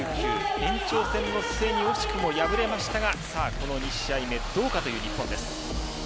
延長戦の末に惜しくも敗れましたがこの２試合目どうかという日本です。